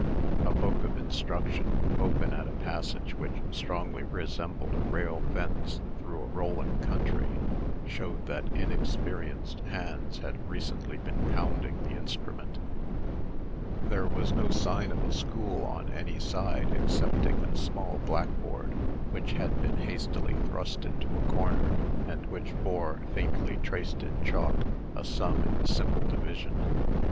A book of instruction, open at a passage which strongly resembled a rail fence through a rolling country, showed that inexperienced hands had recently been pounding the instrument. There was no sign of a school or any side, excepting a small blackboard, which had been hastily thrust into a corner, and which bore, faintly traced in chalk, a sum in simple division.